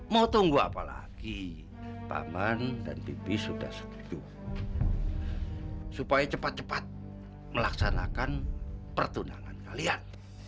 mau tunggu apalagi paman dan bibi sudah setuju supaya cepat cepat melaksanakan pertunangan kalian